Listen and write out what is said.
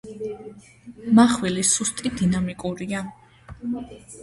მახვილი სუსტი, დინამიკურია.